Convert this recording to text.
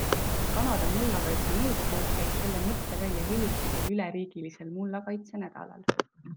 Kanada mullakaitse nõukogu käis selle mõtte välja hiljutisel üleriigilisel mullakaitse nädalal.